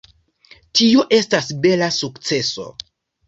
Tio estas bela sukceso.